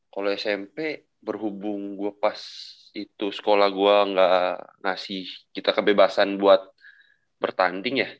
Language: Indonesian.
kalau smp berhubung gue pas itu sekolah gue gak ngasih kita kebebasan buat bertanding ya